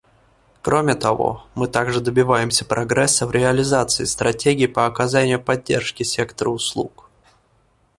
Кроме того, мы также добиваемся прогресса в реализации стратегий по оказанию поддержки сектору услуг.